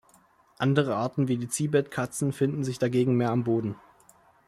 Andere Arten wie die Zibetkatzen finden sich dagegen mehr am Boden.